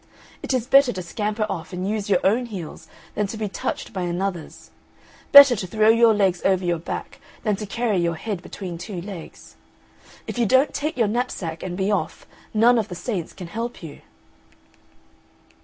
It is better to scamper off and use your own heels than to be touched by another's; better to throw your legs over your back than to carry your head between two legs. If you don't take your knapsack and be off, none of the Saints can help you!"